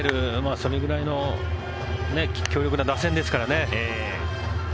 それくらいの強力な打線ですからね。